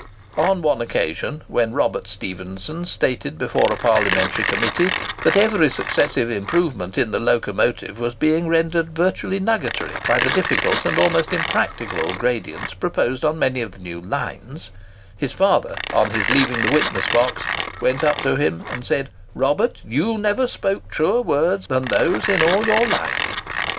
On one occasion, when Robert Stephenson stated before a Parliamentary Committee that every successive improvement in the locomotive was being rendered virtually nugatory by the difficult and almost impracticable gradients proposed on many of the new lines, his father, on his leaving the witness box, went up to him, and said, "Robert, you never spoke truer words than those in all your life."